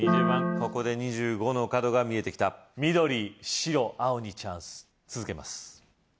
ここで２５の角が見えてきた緑・白・青にチャンス続けます